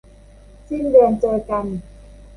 สิ้นเดือนเจอกัน